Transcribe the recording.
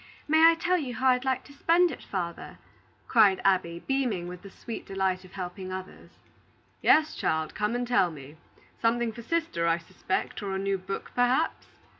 May I tell you how I'd like to spend it, father?" cried Abby, beaming with the sweet delight of helping others. "Yes, child; come and tell me. Something for sister, I suspect; or a new book, perhaps."